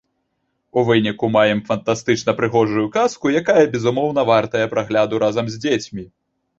У выніку маем фантастычна прыгожую казку, якая, безумоўна, вартая прагляду разам з дзецьмі.